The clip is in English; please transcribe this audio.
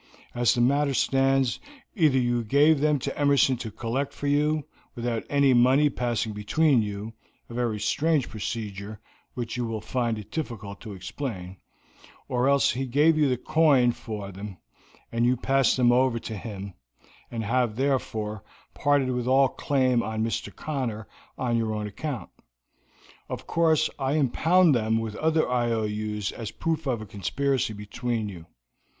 As the matter stands, either you gave them to Emerson to collect for you, without any money passing between you a very strange procedure, which you will find it difficult to explain or else he gave you the coin for them, and you passed them over to him, and have, therefore, parted with all claim on Mr. Cotter on your own account. Of course I impound them with the other IOUs as proof of a conspiracy between you.